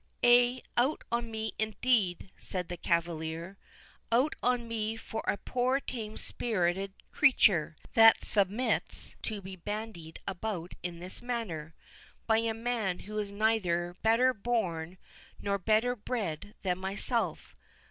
"Ay, out on me indeed," said the cavalier; "out on me for a poor tame spirited creature, that submits to be bandied about in this manner, by a man who is neither better born nor better bred than myself.